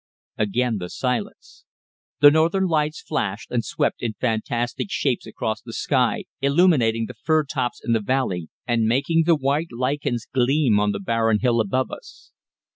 Again the silence. The northern lights flashed and swept in fantastic shapes across the sky, illuminating the fir tops in the valley and making the white lichens gleam on the barren hill above us.